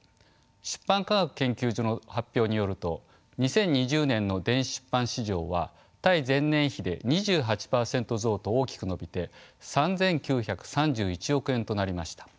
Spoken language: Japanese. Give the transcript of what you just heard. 出版科学研究所の発表によると２０２０年の電子出版市場は対前年比で２８パーセント増と大きく伸びて３，９３１億円となりました。